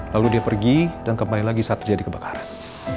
lalu dia pergi dan kembali lagi saat terjadi kebakaran